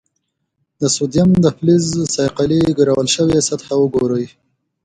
د سوډیم د فلز صیقلي ګرول شوې سطحه وګورئ.